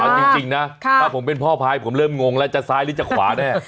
เอาจริงนะถ้าผมเป็นพ่อพายผมเริ่มงงแล้วจะซ้ายหรือจะขวาแน่